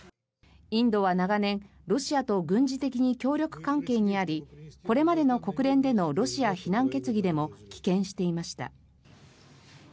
インドは長年、ロシアと軍事的に協力関係にありこれまでの国連でのロシア非難決議でも棄権していました。